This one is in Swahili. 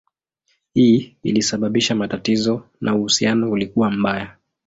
Hii ilisababisha matatizo na uhusiano ulikuwa mbaya.